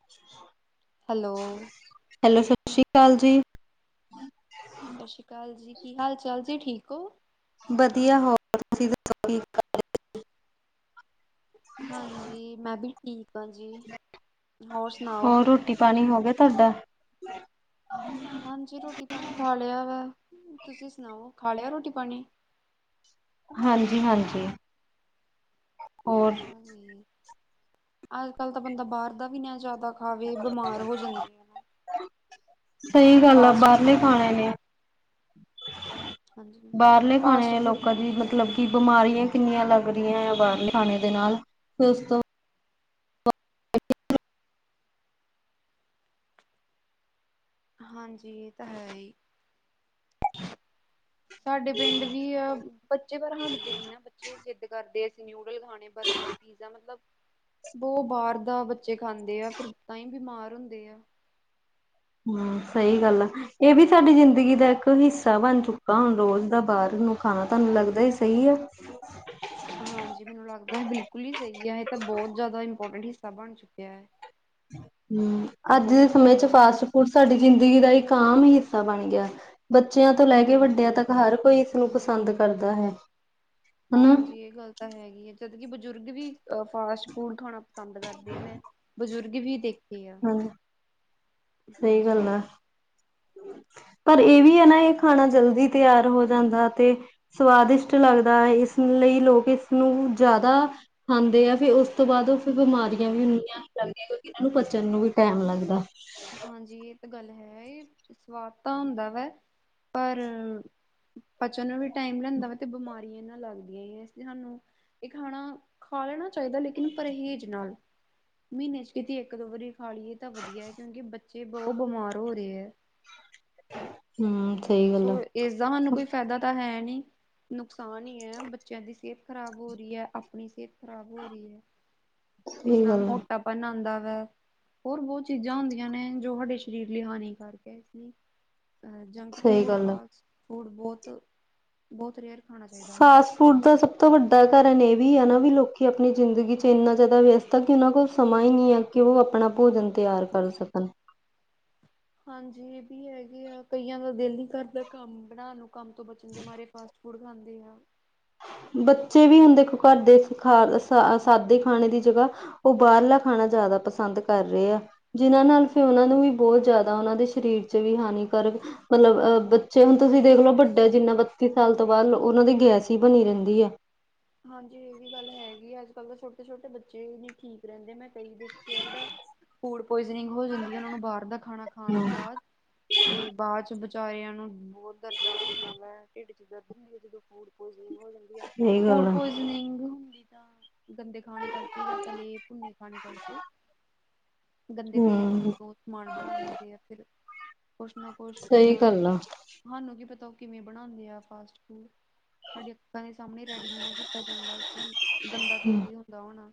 ਅੱ hello! Hello, ਸਤਿ ਸ਼੍ਰੀ ਅਕਾਲ ਜੀ ਸਾਸਰੀ ਕਾਲ ਜੀ, ਕੀ ਹਾਲ ਚਾਲ ਜੀ ਠੀਕ ਹੋ ਵਧੀਆ ਹੋਰ ਤੁਸੀਂ ਦੱਸੋ ਠੀ ਹਾਂਜੀ ਮੈਂ ਵੀ ਠੀਕ ਆਂ ਜੀ, ਹੋਰ ਸਨਾਓ। ਹੋਰ ਰੋਟੀ ਪਾਣੀ ਹੋ ਗਿਆ ਤੁਹਾਡਾ ਹਾਂਜੀ ਰੋਟੀ-ਪਾਣੀ ਖਾ ਲਿਆ ਵਾ, ਤੁਸੀਂ ਸਨਾਓ ਖਾ ਲਿਆ ਰੋਟੀ-ਪਾਣੀ? ਹਾਂਜੀ-ਹਾਂਜੀ। ਅੱਛਾ ਜੀ, ਅੱਜ ਕੱਲ ਤਾਂ ਬੰਦਾ ਬਾਹਰ ਦਾ ਵੀ ਨ ਜ਼ਿਆਦਾ ਆਵੇ ਬਮਾਰ ਹੋ ਜਾਂਦੀ ਆ ਨਾ। ਸਹੀ ਗੱਲ ਆ ਫਾਸਟ ਬਾਹਰਲੇ ਫੂਡ ਖਾਣੇ ਨਹੀਂ, ਨੇ ਹਾਂਜੀ ਬਾਹਰਲੇ ਫਾਸਟ ਖਾਣੇ ਫੂਡ ਲੋਕਾਂ ਦੀ ਮਤਲਬ ਕਿ ਬਿਮਾਰੀਆਂ ਕਿੰਨੀਆਂ ਲੱਗ ਰਹੀਆਂ ਏ, ਬਾਹਰਲੇ ਖਾਣੇ ਤੋ ਬਾਦ ਫਿਰ ਉਸ ਤੋਂ ਅੱ [unintelligible] ਹਾਂਜੀ ਇਹ ਤਾਂ ਹੈ ਹੀ ਸਾਡੇ ਪਿੰਡ ਵੀ ਆ, ਬੱਚੇ ਪਰ ਹਟਦੇ ਨੀ ਨਾ ਬੱਚੇ ਜਿੱਦ ਕਰਦੇ ਨੂਡਲ ਖਾਣੇ, ਬਰਗਰ, ਪੀਜ਼ਾ ਮਤਲਬ, ਬਹੁਤ ਬਾਹਰ ਦਾ ਜੇ ਖਾਂਦੇ ਆ ਫਿਰ ਤਾਂ ਹੀ ਬਿਮਾਰ ਹੁੰਦੇ ਆ ਹੁੰ ਸਹੀ ਗੱਲ ਆ ਇਹ ਵੀ ਸਾਡੀ ਜ਼ਿੰਦਗੀ ਦਾ ਇੱਕ ਹਿੱਸਾ ਬਣ ਚੁੱਕਾ ਹੁਣ ਰੋਜ਼ ਦਾ ਬਾਹਰ ਨੂੰ ਖਾਣਾ ਤੁਹਾਨੂੰ ਲੱਗਦਾ ਹੀ ਸਹੀ ਆ। [inaudible] ਹਾਂਜੀ ਮੈਨੂੰ ਲੱਗਦਾ ਹੈ, ਬਿਲਕੁਲ ਹੀ ਸਹੀ ਹੈ, ਇਹ ਤਾਂ ਬਹੁਤ ਜ਼ਿਆਦਾ ਇੰਪੋਰਟੈਂਟ ਹਿੱਸਾ ਬਣ ਚੁੱਕਿਆ ਹੈ ਹੂੰ ਅੱਜ ਦੇ ਬਹੁਤ ਸਮੇਂ 'ਚ ਜ਼ਿਆਦਾ ਫਾਸਟ। ਫੂਡ, ਹੁਣ ਸਾਡੀ ਜ਼ਿੰਦਗੀ ਦਾ ਇੱਕ ਆਮ ਹੀ ਹਿੱਸਾ ਬਣ ਗਿਆ ਬੱਚਿਆਂ ਤੋਂ ਲੈ ਕੇ ਵੱਡਿਆਂ ਹਾਂਜੀ। ਤੱਕ ਹਰ ਕੋਈ ਨੂੰ ਪਸੰਦ ਕਰਦਾ ਹੈ। ਹਨਾ ਹਾਂਜੀ ਇਹ ਗੱਲ ਤਾਂ ਹੈਗੀ ਹੈ ਜਦਕਿ ਬਜ਼ੁਰਗ ਵੀ ਅ ਫਾਸਟ ਫੂਡ ਖਾਉਣਾ ਪਸੰਦ ਕਰਦੇ, ਮੈਂ ਬਜ਼ੁਰਗ ਵੀ ਦੇਖ ਕਿ, ਆ ਹਾਂਜੀ ਸਹੀ ਗੱਲ ਹਾਂਜੀ। ਆ ਪਰ ਇਹ ਵੀ ਹੈ ਨਾ ਇਹ ਖਾਣਾ ਜਲਦੀ ਤਿਆਰ ਹੋ ਜਾਂਦਾ ਤੇ ਸਵਾਦਿਸ਼ਟ ਲੱਗਦਾ ਹੈ ਇਸ ਲਈ ਲੋਕ ਇਸਨੂੰ ਜ਼ਿਆਦਾ ਖਾਂਦੇ ਆ ਫੇਰ ਉਸ ਤੋਂ ਬਾਅਦ ਉਹ ਫਿਰ ਬਿਮਾਰੀਆਂ ਵੀ ਲਗਦੀਆ ਇਹਨਾਂ ਨੂੰ ਪਚਣ ਨੂੰ ਵੀ ਟਾਈਮ ਲੱਗਦਾ ਹਾਂਜੀ ਇਹ ਤਾਂ ਗੱਲ ਹੈ, ਸਵਾਦ ਤਾਂ ਹੁੰਦਾ ਵਾ ਪਰ ਪਚਣ ਨੂੰ ਵੀ ਟਾਈਮ ਲਿਆਂਦਾ ਵਾ ਤੇ ਬਿਮਾਰੀਆਂ ਇਹ ਦੇ ਨਾਲ ਲੱਗਦੀਆਂ, ਇਸ ਲਈ ਸਾਨੂੰ ਇਹ ਖਾਣਾ ਖਾ ਲੈਣਾ ਚਾਹੀਦਾ ਲੇਕਿਨ ਪਰਹੇਜ਼ ਨਾਲ, ਮਹੀਨੇ 'ਚ ਕੀਤੇ ਇੱਕ ਦੋ ਵਾਰੀ ਖਾ ਲੀਏ ਤਾਂ ਵਧੀਆ ਹੈ ਕਿਉਂਕਿ ਬੱਚੇ ਬਹੁਤ ਬਿਮਾਰ ਹੋ ਰਹੇ ਹੈ ਹਮ ਸਹੀ ਗੱਲ ਸੋ ਆ ਇਸਦਾ ਸਾਨੂੰ ਕੋਈ ਫਾਇਦਾ ਤਾਂ ਹੈ ਨਹੀਂ, ਨੁਕਸਾਨ ਹੀ ਹੈ ਬੱਚਿਆਂ ਦੀ ਸਿਹਤ ਖ਼ਰਾਬ ਹੋ ਰਹੀ ਹੈ ਆਪਣੀ ਸਿਹਤ ਖ਼ਰਾਬ ਹੋ ਰਹੀ ਹੈ, ਇਸ ਸਹੀ ਨਾਲ ਗੱਲ ਆ ਮੋਟਾ ਪਨ ਆਉਂਦਾ ਵਾ, ਹੋਰ ਬਹੁਤ ਚੀਜ਼ਾਂ ਹੁੰਦੀਆਂ ਨੇ ਜੋ ਸਾਡੇ ਸਰੀਰ ਲਈ ਹਾਨੀਕਾਰਕ ਹੈ ਇਸ ਲਈ ਜੰਕ ਸਹੀ ਫੂਡ, ਗੱਲ ਆ ਫਾਸਟ ਫੂਡ ਬਹੁਤ ਬਹੁਤ ਰੇਅਰ ਖਾਣਾ ਚਾਹੀਦਾ ਸਾਨੂੰ। ਫਾਸਟ ਫੂਡ ਦਾ ਸਭ ਤੋਂ ਵੱਡਾ ਕਾਰਨ ਇਹ ਵੀ ਹੈ ਨਾ ਵੀ ਲੋਕੀ ਆਪਣੀ ਜ਼ਿੰਦਗੀ ਚ ਇੰਨਾ ਜ਼ਿਆਦਾ ਵਿਅਸਤ ਤਾਂ ਕਿ ਉਹਨਾਂ ਕੋਲ ਸਮਾਂ ਹੀ ਨਹੀਂ ਹੈ ਕਿ ਉਹ ਆਪਣਾ ਭੋਜਨ ਤਿਆਰ ਕਰ ਸਕਣ। ਹਾਂਜੀ ਇਹ ਵੀ ਹੈਗੇ ਆ ਕਈਆਂ ਦਾ ਦਿਲ ਨੀ ਕਰਦਾ ਕੰਮ ਬਣਾਉਣ ਨੂੰ ਕੰਮ ਤੋਂ ਬਚਣ ਦੇ ਮਾਾਰੇ ਫਾਸਟ ਫੂੜ ਖਾਂਦੀ ਹਾਂ ਬੱਚੇ ਵੀ ਹੁਣ ਦੇਖੋ ਘਰ ਦੇ ਖਾ ਸਾਦੇ ਖਾਣੇ ਦੀ ਜਗ੍ਹਾ। ਉਹ ਬਾਹਰਲਾ ਖਾਣਾ ਜ਼ਿਆਦਾ ਪਸੰਦ ਕਰ ਰਹੇ ਆ। ਜਿਹਨਾਂ ਨਾਲ ਫਿਰ ਉਹਨਾਂ ਨੂੰ ਵੀ ਬਹੁਤ ਜ਼ਿਆਦਾ ਉਹਨਾਂ ਦੇ ਸਰੀਰ 'ਚ ਵੀ ਹਾਨੀਕਾਰਕ। ਮਤਲਬ ਅਹ ਬੱਚੇ ਹੁਣ ਤੁਸੀਂ ਦੇਖਲੋ ਵੱਡਾ ਜਿੰਨਾ ਬੱਤੀ ਸਾਲ ਤੋਂ ਬਾਅਦ ਉਹਨਾਂ ਦੇ ਗਿਆ ਸੀ। ਕਿ ਬਣੀ ਰਹਿੰਦੀ ਹੈ। ਹਾਂਜੀ ਇਹ ਵੀ ਗੱਲ ਹੈਗੀ ਆ ਅੱਜ ਕੱਲ੍ਹ ਦੇ ਛੋਟੇ ਛੋਟੇ ਬੱਚੇ ਨਹੀਂ ਠੀਕ ਰਹਿੰਦੇ ਮੈਂ ਕਈ ਦੇਖੀਏ ਜਿਹੜਾ। ਫੂਡ ਪੁਆਇਜਨਿੰਗ ਹੋ ਜਾਂਦੀ ਹੈ ਉਹਨਾਂ ਨੂੰ ਬਾਹਰ ਦਾ ਖਾਣਾ। ਖਾਣ ਤੋਂ ਬਾਅਦ ਤੇ ਬਾਅਦ 'ਚ ਵਿਚਾਰਿਆਂ ਨੂੰ ਬਹੁਤ ਦਰਦਾਂ ਹੁੰਦੀਆਂ ਵਾ ਢਿੱਡ। ਹੁੰ ਜਦੋਂ ਫੂਡ ਪੁਆਇਜ਼ਨਿੰਗ ਹੋ ਜਾਂਦੀ ਆ ਸਹੀ ਗੱਲ ਫੂਡ ਆ ਪੁਆਇਜ਼ਨਿੰਗ ਹੁੰਦੀ ਤਾਂ ਗੰਦੇ ਖਾਣੇ ਕਰਕੇ ਜਾਂ ਤਲੇ ਭੁੰਨੇ ਖਾਣੇ ਕਰਕੇ ਗੰਦੇ ਤੇਲ ਚ ਹੂੰ ਬਹੁ ਸਮਾਨ ਬਣਾ ਦਿੰਦੇ ਜਾਂ ਫਿਰ ਕੁਛ ਨਾ ਕੁਛ ਸਹੀ ਜਿੱਦਾਂ। ਗੱਲ ਆ ਤੁਹਾਨੂੰ ਕੀ ਪਤਾ ਉਹ ਕਿਵੇਂ ਬਣਾਉਂਦੇ ਆ ਫਾਸਟ ਫੂਡ ਸਾਡੇ ਅੱਖਾਂ ਦੇ ਸਾਹਮਣੇ। ਰੈਡੀਮੀ ਨਾ ਕੀਤਾ ਜਾਂਦਾ ਗੰਦਾ ਤੇਲ ਹੀ ਹੁੰਦਾ ਹੋਣਾ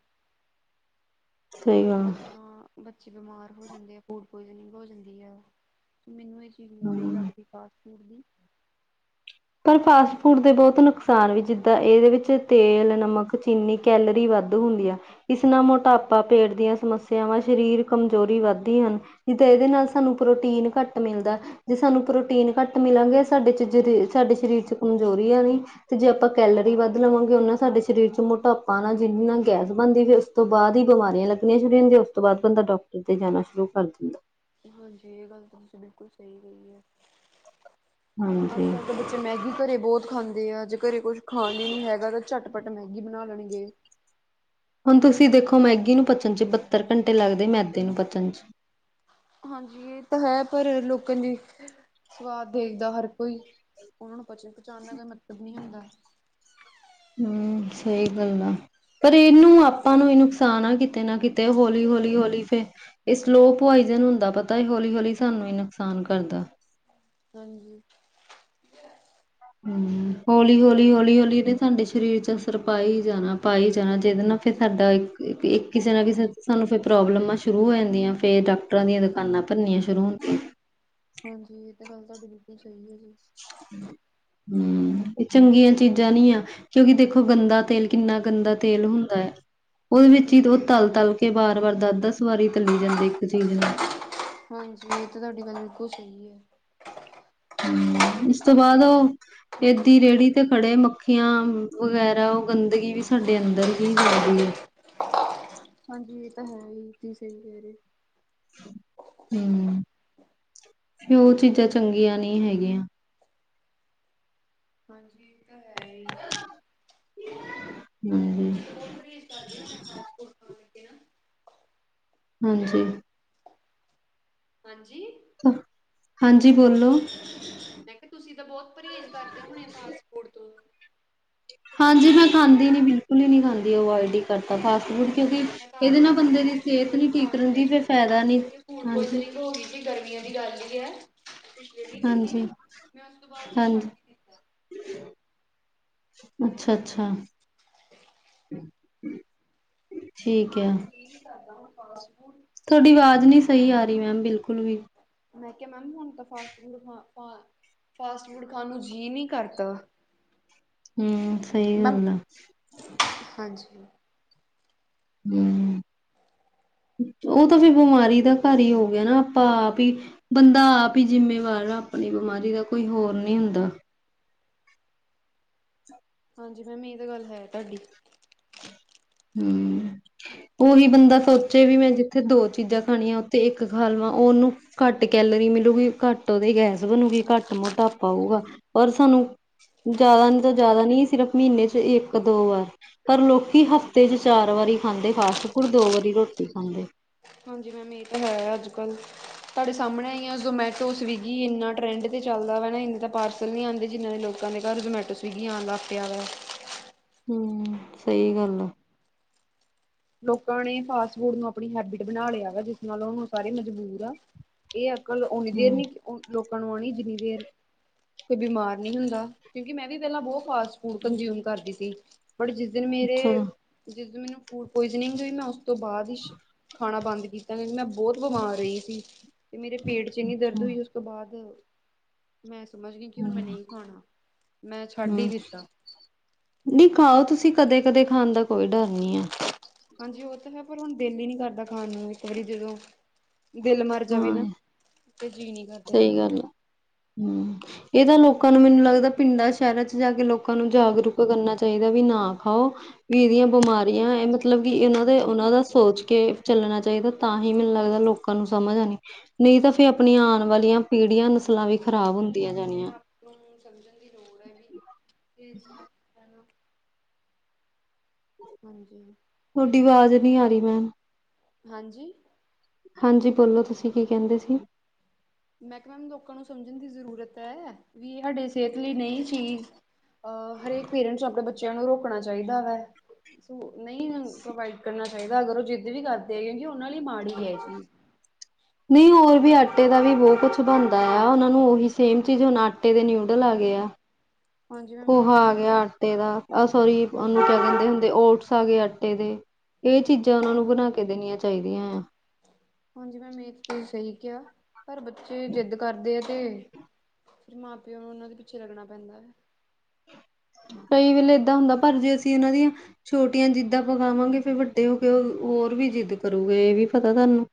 ਸਹੀ ਗੱਲ ਬੱਚਾ। ਤਾਂ ਬੱਚੇ ਬਿਮਾਰ ਹੋ ਜਾਂਦੇ ਆ ਫੂਡ ਪੁਆਇਜਨਿੰਗ ਹੋ ਜਾਂਦੀ ਆ ਮੈਨੂੰ ਮੈਨੂੰ ਤੇ ਨਹੀਂ ਹੂੰ। ਲੱਗਦੀ ਫਾਸਟ ਫੂਡ ਦੀ। ਪਰ ਫਾਸਟ ਫੂਡ ਦੇ ਬਹੁਤ ਨੁਕਸਾਨ ਵੀ ਜਿੱਦਾਂ ਇਹਦੇ ਵਿੱਚ ਤੇਲ ਨਮਕ ਇੰਨੀ ਕੈਲਰੀ ਵੱਧ ਹੁੰਦੀ ਆ। ਇਸ ਨਾਲ ਮੋਟਾਪਾ ਪੇਟ ਦੀਆਂ ਸਮੱਸਿਆਵਾਂ ਸਰੀਰ ਕਮਜ਼ੋਰੀ ਵੱਧਦੀਆਂ ਹਨ। ਜਿੱਦ ਇਹਦੇ ਨਾਲ ਸਾਨੂੰ ਪ੍ਰੋਟੀਨ ਘੱਟ ਮਿਲਦਾ ਜੇ ਸਾਨੂੰ ਪ੍ਰੋਟੀਨ ਘੱਟ ਮਿਲਾਂਗੇ ਸਾਡੇ ਚ ਜ ਸਾਡੇ ਸਰੀਰ ਚ ਕਮਜ਼ੋਰੀ ਆ ਗਏ ਤੇ ਜੇ ਆਪਾਂ ਕੈਲਰੀ ਵੱਧ ਲਵਾਂਗੇ ਉਹਨਾ ਸਾਡੇ ਸਰੀਰ ਚ ਮੋਟਾਪਾ ਨਾਲ ਜਿਹਦੇ ਨਾਲ ਗੈਸ ਬਣਦੀ ਫਿਰ ਤੋਂ ਬਾਅਦ ਹੀ ਬਿਮਾਰੀਆਂ ਲੱਗਣੀਆਂ ਸ਼ੁਰ ਹੁੰਦੀਆਂ ਉਸ ਤੋਂ ਬਾਅਦ ਬੰਦਾ ਡਾਕਟਰ 'ਤੇ ਜਾਣਾ ਸ਼ੁਰੂ ਕਰ ਦਿੰਦਾ ਹਾਂਜੀ ਇਹ ਗੱਲ ਤੁਸੀਂ ਬਿਲਕੁਲ ਸਹੀ ਕਹਿ ਹੈ। ਅੱਜ ਹਾਂਜੀ, ਕੱਲ੍ਹ ਦੇ ਮੈਗੀ ਘਰੇ ਬਹੁਤ ਖਾਂਦੇ ਆ ਜੇ ਘਰੇ ਕੁੱਛ ਖਾਣ ਹੀ ਨੀ ਹੈਗਾ ਤਾਂ ਝੱਟ ਪਟ ਮੈਗੀ ਬਣਾ ਲੈਣਗੇ ਹੁਣ ਤੁਸੀਂ ਦੇਖੋ ਮੈਗੀ ਨੂੰ ਪਚਣ ਚ ਬੱਤਰ ਘੰਟੇ ਲੱਗਦੇ ਮੈਦੇ ਨੂੰ ਪਚਣ ਚ ਹਾਂਜੀ ਇਹ ਤਾਂ ਹੈ ਪਰ ਲੋਕਾਂ ਦੀ ਸਵਾਦ ਦੇਖਦਾ ਹਰ ਕੋਈ ਉਹਨਾਂ ਨੂੰ ਪਚ ਪਚਾਉਣ ਦਾ ਕੋਈ ਮਤਲਬ ਨਹੀਂੀ ਹੁੰਦਾ ਹੂੰ ਸਹੀ ਗੱਲ ਆ। ਪਰ ਇਹਨੂੰ ਆਪਾਂ ਨੂੰ ਵੀ ਨੁਕਸਾਨ ਆ ਕਿਤੇ ਨਾ ਕਿਤੇ ਹੌਲੀ ਹੌਲੀ ਹੌਲੀ ਫਿਰ ਇਹ ਸਲੋ ਪੁਆਇਜਨ ਹੁੰਦਾ ਪਤਾ ਹੌਲੀ ਹੌਲੀ ਸਾਨੂੰ ਹੀ ਨੁਕਸਾਨ ਕਰਦਾ ਹਾਂਜੀ। ਹੂੰ ਹੌਲੀ ਹੌਲੀ ਹੌਲੀ ਹੌਲੀ ਤੇ ਸਾਡੇ ਸਰੀਰ 'ਚ ਅਸਰ ਪਾਏ ਹੀ ਜਾਣਾ ਪਾਏ ਹੀ ਜਾਣਾ ਜਿਹਦੇ ਨਾਲ। ਫਿਰ ਸਾਡਾ ਇੱਕ ਇੱਕ ਕਿਸੇ ਨਾ ਕਿਸੇ ਸਾਨੂੰ ਫਿਰ ਪ੍ਰੋਬਲਮਾਂ ਸ਼ੁਰੂ ਹੋ ਜਾਂਦੀਆਂ ਫਿਰ ਡਾਕ ਟਰਾਂ ਦੀਆਂ ਦੁਕਾਨਾਂ ਭਰਨੀਆਂ ਸ਼ੁਰੂ ਹੁੰਦੀਆਂ। ਹਾਂਜੀ ਇਹ ਤਾਂ ਗੱਲ ਤੁਹਾਡੀੇ ਲਈਣੀ ਸਹੀ ਹੈ ਜੀ ਹਮ ਇਹ ਚੰਗੀਆਂ ਚੀਜ਼ਾਂ ਨੀ ਆ ਕਿਉਂਕਿ ਦੇਖੋ ਗੰਦਾ ਤੇਲ ਕਿੰਨਾ ਗੰਦਾ ਤੇਲ ਹੁੰਦਾ ਹੈ ਉਹਦੇ ਵਿੱਚ ਹੀ ਉਹ ਤਲ ਤਲ ਕੇ ਬਾਰ ਵਾਰ ਦਸ ਦਸ ਵਾਰੀ ਤੱਲਲੀ ਜਾਂਦੇ ਇੱਕ ਚੀਜ਼ ਨੂੰ ਹਾਂਜੀ ਇਹ ਤਾਂ ਤੁਹਾਡੀ ਗੱਲ ਬਿਲਕੁਲ ਸਹੀ ਹੈ ਹੂੰ ਇਸ ਤੋਂ ਬਾਅਦ ਉਹ। ਏਦੀ ਰੇਹੜੀ ਤੇ ਖੜੇ ਮੱਖੀਆਂ ਵਗੈਰਾ ਉਹ ਗੰਦਗੀ ਵੀ ਸਾਡੇ ਅੰਦਰ ਹੀ ਜਾਂਦੀ ਹੈ। ਹਾਂਜੀ ਇਹ ਤਾਂ ਹੈ ਹੀ ਤੁਸੇ ਕਹਿ ਰਹੇ ਹਮ ਫਿਊ ਚੀਜ਼ਾਂ ਚੰਗੀਆਂ ਨਹੀਂ ਹੈਗੀਆਂ। ਹਾਂਜੀ ਇਹ ਤਾਂ ਹੈ ਹੀ ਹਾਂਜੀ, ਜਦ ਬਹੁਤ ਤਰੀ। ਕਰਦੇ ਹੋਣੇ ਫਾਸਟ ਫੂਡ ਖਾਣ ਲੱਗਿਆ। ਹਾਂਜੀ। ਹਾਂਜੀ। ਹਾਂਜੀ, ਬੋਲੋ। ਮੈਂ ਕਿਹਾ ਤੁਸੀਂ ਤਾਂ ਬਹੁਤ ਪਰਹੇਜ਼ ਕਰਦੇ ਹੋਣੇ ਫਾਸਟ ਫੂਡ ਤੋਂ, ਹਾਂਜੀ, ਮੈਂ ਖਾਂਦੀ ਨੀ ਬਿਲਕੁਲ ਹੀ ਨਹੀਂ ਖਾਂਦੀ ਅਵਇਡ ਹੀ ਕਰਦਾ ਫਾਸਟ ਫੂਡ ਕਿਉਂਕਿ ਮੈਂ ਤਾਂ ਇਹਦੇ ਆਪ ਨਾਲ ਨੀ ਬੰਦੇ ਖਾਂਦੀ ਦੀ ਜੀ ਮੈਂ ਸਿਹਤ ਨਹੀਂ ਠੀਕ ਰਹਿੰਦੀ ਫਿਰ ਫ਼ਾਇਦਾ ਨਹੀਂ। ਹੁਣ ਕੋਈ ਤਕਲੀਫ਼ ਹੋ ਗਈ ਸੀ ਗਰਮੀਆਂ ਦੀ ਗੱਲ ਹੀ ਹੈ। ਪਿਛਲੇ ਮਹੀਨੇ ਦੀ, ਹਾਂਜੀ ਮੈਂ ਉਸ ਤੋਂ ਬਾਅਦ ਜੀ ਛੱਡ, ਅੱਛਾ-ਅੱਛਾ। [unintelligible] ਹਾਂ, ਇਹ ਨ ਕਰਦਾ ਹੁਣ ਫ ਤੁਹਾਡੀ ਆਵਾਜ਼ ਨਹੀਂ ਸਹੀ ਆ ਰਹੀ ਮੈਮ ਬਿਲਕੁਲ ਵੀ, ਮੈਂ ਕਿਹਾ ਮੈਮ ਹੁਣ ਤਾਂ ਫਾਸਟ ਫੂਡ ਫਾਸਟ ਫੂਡ ਖਾਣ ਨੂੰ ਜੀਅ ਨਹੀਂ ਕਰਦਾ ਹੂੰ, ਸਹੀ ਮੈਮ ਗੱਲ ਆ। ਹਾਂਜੀ। ਹੂੰ, ਉਹ ਤਾਂ ਫਿਰ ਬਿਮਾਰੀ ਦਾ ਘਰ ਹੀ ਹੋ ਗਿਆ ਨਾ ਆਪਾਂ ਆਪ ਹੀ, ਬੰਦਾ ਆਪ ਹੀ ਜਿੰਮੇਵਾਰ ਆਪਣੀ ਬਿਮਾਰੀ ਦਾ ਕੋਈ ਹੋਰ ਨਹੀਂ ਹੁੰਦਾ। ਹਾਂਜੀ ਮੈਮ, ਇਹ ਤਾਂ ਗੱਲ ਹੈ ਤੁਹਾਡੀ, ਹੂੰ, ਉਹੀ ਬੰਦਾ ਸੋਚੇ ਵੀ ਮੈਂ ਜਿੱਥੇ ਦੋ ਚੀਜ਼ਾਂ ਖਾਣੀਆਂ ਉੱਥੇ ਇੱਕ ਖਾ ਲਵਾਂ ਉਹਨੂੰ। ਘੱਟ ਕੈਲਰੀ ਮਿਲੂਗੀ ਘੱਟ ਉਹਦੇ ਗੈਸ ਬਣੂਗੀ ਘੱਟ ਮੋਟਾਪਾ ਆਉਗਾ ਪਰ ਸਾਨੂੰ ਜ਼ਿਆਦਾ ਤਾਂ ਜ਼ਿਆਦਾ ਨਹੀਂ ਸਿਰਫ ਮਹੀਨੇ ਚ ਇੱਕ ਦੋ ਵਾਰ, ਪਰ ਲੋਕੀ ਹਫ਼ਤੇ ਚ ਚਾਰ ਵਾਰੀ ਖਾਂਦੇ ਫਾਸਟ ਫੂਡ ਦੋ ਵਾਰੀ ਰੋਟੀ ਖਾਂਦੇ। ਹਾਂਜੀ ਮੈਮ, ਇਹ ਤਾਂ ਹੈ ਆ ਅੱਜ ਕੱਲ੍ਹ, ਤੁਹਾਡੇ ਸਾਹਮਣੇ ਆਈ ਆ ਜ਼ਮੈਟੋ ਸਵੀਗੀ ਇੰਨਾ ਟਰੈਂਡ ਤੇ ਚੱਲਦਾ ਵਾ ਨਾ ਇੰਨੇ ਤਾਂ ਪਾਰਸ ਸਮਝ ਨਹੀਂ ਆਉਂਦੀ ਜਿਨ੍ਹਾਂ ਨੇ ਲੋਕਾਂ ਦੇ ਘਰ ਜ਼ਮੈਟੋ ਸਵਿਗੀ ਆਉਣ ਲੱਗ ਪਿਆ ਵਾ। ਹੂੰ, ਸਹੀ ਗੱਲ ਆ। ਲੋਕਾਂ ਨੇ ਫਾਸਟ ਫੂਡ ਨੂੰ ਆਪਣੀ ਹੈਬਿਟ ਬਣਾ ਲਿਆ ਵਾ ਜਿਸ ਨਾਲ ਹੁਣ ਉਹ ਸਾਰੇ ਮਜਬੂਰ ਆ। ਇਹ ਅਕਲ ਓਣੀ ਦੇਰ ਹਮ ਨੀ ਲੋਕਾਂ ਨੂੰ ਆਉਣੀ ਜ਼ਰੂਰੀ ਫੇਰ ਬਿਮਾਰ ਨਹੀਂ ਹੁੰਦਾ ਕਿਉਂਕਿ ਮੈਂ ਵੀ ਪਹਿਲਾਂ ਬਹੁਤ, ਫਾਸਟ ਫੂਡ ਕੰਸੀਊਮ ਕਰਦੀ ਸੀ ਬਟ ਜਿਸ ਦਿਨ ਮੇਰੇ ਅੱਛਾ ਜਿਸ ਦਿਨ ਮੈਨੂੰ, ਪੋਇਜ਼ਨਿੰਗ ਹੋਈ ਮੈਂ ਉਸ ਤੋਂ ਬਾਅਦ ਹੀ ਖਾਣਾ ਬੰਦ ਕੀਤਾ ਮੈਂ ਬਹੁਤ ਬੀਮਾਰ ਰਹੀ ਸੀ ਤੇ ਮੇਰੇ ਪੇਟ ਚ ਇੰਨੀ ਦਰਦ ਹੋਈ ਉਸ ਤੋਂ ਬਾਅਦ, ਮੈਂ ਸਮਝ ਗਈ ਕਿ ਹੁਣ ਮੈਂ ਨਹੀਂ ਖਾਣਾ ਮੈਂ ਛੱਡ ਹੀ ਹਮ ਦਿੱਤਾ। ਨਹੀਂ ਖਾਓ ਤੁਸੀਂ ਕਦੇ ਕਦੇ ਖਾਣ ਦਾ ਕੋਈ ਡਰ ਨਹੀਂ ਏ। ਹਾਂਜੀ, ਉਹ ਤਾਂ ਹੈ ਪਰ ਹੁਣ ਦਿਲ ਹੀ ਨਹੀਂ ਕਰਦਾ ਖਾਣ ਨੂੰ ਇੱਕ ਵਾਰੀ ਜਦੋਂ ਦਿਲ ਮਰ ਜਾਵੇ ਨਾ, ਹਾਂ ਤੇ ਜੀ ਨੀ ਕਰ ਸਹੀ ਗੱਲ ਆ, ਹੂੰ, ਇਹ ਤਾਂ ਹਾਂ ਲੋਕ ਸਾਨੂੰ ਮੈਨੂੰ ਲੱਗਦਾ ਪਿੰਡਾਂ ਸ਼ਹਿਰਾਂ ਚ ਜਾ ਕੇ ਲੋਕਾਂ ਨੂੰ ਜਾਗਰੂਕ ਕਰਨਾ ਚਾਹੀਦਾ ਵੀ ਨਾ ਖਾਓ ਵੀ ਇਹਦੀਆ ਬਿਮਾਰੀਆਂ ਮਤਲਬ ਕਿ ਇਹਨਾਂ ਦੇ ਉਹਨਾਂ ਦਾ ਸੋਚ ਕੇ ਚੱਲਣਾ ਚਾਹੀਦਾ ਤਾਂ ਹੀ ਮੈਨੂੰ ਲੱਗਦਾ ਲੋਕ, ਲੋਕਾਂ ਨੂੰ ਸਮਝ ਆਉਣੀ ਨਹੀਂ ਤਾਂ ਫੇਰ ਇਹ ਆਪਣੀਆਂ ਤਾਂ ਆਉਣ ਹੈ, ਵਾਲੀਆਂ ਪੀੜੀਆਂ ਨਸਲਾਂ ਵੀ ਸਭ ਖ਼ਰਾਬ ਤੋਂ ਪਹਿਲਾਂ ਹੁੰਦੀਆਂ ਆਪਣੇ ਜਾਣੀਆ। ਆਪ ਨੂੰ ਸਮਝਣ ਦੀ ਲੋੜ ਹੈ ਵੀ ਤੇ ਜੀ [unintelligible] ਹਾਂਜੀ। ਤੁਹਾਡੀ ਆਵਾਜ਼ ਨੀ ਆ ਰਹੀ ਮੈਮ, ਹਾਂਜੀ, ਹਾਂਜੀ, ਬੋਲੋ ਤੁਸੀਂ ਕੀ ਕਹਿੰਦੇ ਸੀ। ਮੈ ਕਿਹਾ ਮੈਮ ਲੋਕਾਂ ਨੂੰ ਸਮਝਣ ਦੀ ਜ਼ਰੂਰਤ ਹੈ ਵੀ ਏ ਸਾਡੇ ਸਿਹਤ ਲਈ ਨਹੀਂ ਠੀਕ, ਅਹ ਹਰੇਕ ਪੇਰੈਂਟਸ ਆਪਣੇ ਬੱਚਿਆਂ ਨੂੰ ਰੋਕਣਾ ਚਾਹੀਦਾ ਵੈ। ਸ ਨਹੀਂ ਪ੍ਰੋਵਾਈਡ ਕਰਨਾ ਚਾਹੀਦਾ ਅਗਰ ਉਹ ਜਿੱਦ ਵੀ ਕਰਦੇ ਆ ਕਿਉਂਕਿ ਉਹਨਾਂ ਲਈ ਮਾੜੀ ਹੈ ਇਹ ਚੀਜ਼ ਨਹੀਂ ਹੋਰ ਵੀ ਆਟੇ ਦਾ ਵੀ ਬਹੁਤ ਕੁੱਛ ਬਣਦਾ ਆ, ਉਹਨਾਂ ਨੂੰ ਉਹੀ ਸੇਮ ਚੀਜ਼ ਹੁਣ ਆਟੇ ਦੇ ਨਿਊਡਲ ਆ ਗਏ ਆ ਹਾਂਜੀ ਮੈਮ ਇਹ ਪੋਹਾ ਤਾਂ ਆ ਹੈ ਹੀ ਗਿਆ ਆਟੇ ਦਾ, ਆਹ ਸੋਰੀ ਉਹਨੂੰ ਕਿਆ ਕਹਿੰਦੇ ਹੁੰਦੇ ਓਟਸ ਆ ਗਏ ਆਟੇ ਦੇ ਇਹ ਚੀਜ਼ਾਂ ਉਹਨਾਂ ਨੂੰ ਬਣਾ ਕੇ ਦੇਣੀਆਂ ਚਾਹੀਦੀਆਂ ਆ ਹਾਂਜੀ ਮੈਂਮ ਏ ਤੇ ਤੁਸੀ ਸਹੀ ਕਿਹਾ, ਪਰ ਬੱਚੇ ਜਿੱਦ ਕਰਦੇ ਤੇ ਫਿਰ ਮਾਂ ਪਿਓ ਨੂੰ ਉਹਨਾਂ ਦੇ ਪਿੱਛੇ ਲੱਗਣਾ ਪੈਂਦਾ ਐ ਕਈ ਵੇਲੇ ਏਦਾਂ ਹੁੰਦਾ ਪਰ ਜੇ ਅਸੀਂ ਇਹਨਾਂ ਦੀਆਂ, ਛੋਟੀਆਂ ਜਿੱਦਾਂ ਪਗਾਵਾਂਗੇ ਫੇਰ ਵੱਡੇ ਹੋ ਕੇ ਹੋਰ ਵੀ ਜਿੱਦ ਕਰੂਗੇ, ਇਹ ਵੀ ਪਤਾ ਤੁਹਾਨੂੰ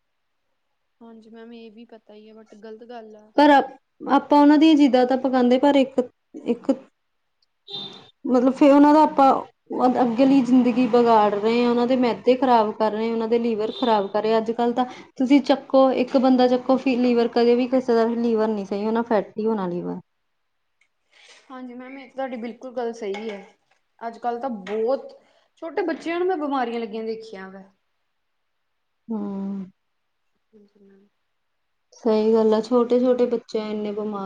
ਹਾਂਜੀ ਮੈਮ ਇਹ ਵੀ [unintelligible] ਹੀ ਏ, ਬਟ ਗ਼ਲਤ ਗੱਲ ਐ ਪਰ ਆ ਆਪਾਂ ਉਹਨਾਂ ਦੀਆਂ ਜਿੱਦਾਂ ਤਾਂ ਪਗਾਉਦੇਂ, ਪਰ ਇੱਕ ਇੱਕ ਮਤਲਬ ਫੇ ਉਹਨਾਂ ਦਾ ਆਪਾਂ- ਅੱਗ ਅੱਗਲੀ ਜ਼ਿੰਦਗੀ ਬਗਾੜ ਰਹੇ ਹਾਂ ਉਹਨਾਂ ਦੇ, ਮੈਦੇ ਖ਼ਰਾਬ ਕਰ ਰਹੇ ਉਹਨਾਂ ਦੇ ਲੀਵਰ ਖ਼ਰਾਬ ਕਰ ਰਹੇ ਅੱਜ ਕੱਲ ਤਾਂ ਤੁਸੀਂ ਚੱਕੋ ਇੱਕ ਬੰਦਾ ਚੱਕੋ ਫ ਲੀਵਰ ਕਦੇ ਵੀ [unintelligible] ਲੀਵਰ ਨਹੀਂ ਸਹੀ ਹੋਨਾ ਫੈਟੀ ਹੋਣਾ ਲੀਵਰ ਹਾਂਜੀ ਮੈਮ ਇਹ ਤਾਂ ਤੁਹਾਡੀ ਬਿਲਕੁਲ ਗੱਲ ਸਹੀ ਹੈ ਅੱਜ ਕੱਲ ਤਾਂ ਬਹੁਤ, ਛੋਟੇ ਬੱਚਿਆਂ ਨੂੰ ਮੈਂ ਬਿਮਾਰੀਆਂ ਲੱਗੀਆਂ ਦੇਖੀਆਂ ਵੈ ਹਮ ਹਾਂਜੀ ਮੈਮ ਸਹੀ ਗੱਲ ਏ ਛੋਟੇ ਛੋਟੇ ਬੱਚੇ ਇੰਨੇ ਬਿਮਾਰ